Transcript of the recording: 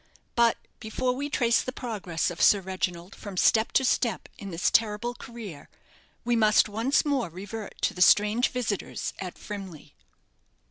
But before we trace the progress of Sir Reginald from step to step in this terrible career, we must once more revert to the strange visitors at Frimley.